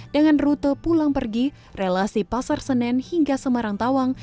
dengan rute pulang pergi relasi pasar senen hingga semarang tawang